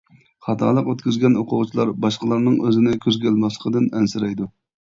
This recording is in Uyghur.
خاتالىق ئۆتكۈزگەن ئوقۇغۇچىلار باشقىلارنىڭ ئۆزىنى كۆزگە ئىلماسلىقىدىن ئەنسىرەيدۇ.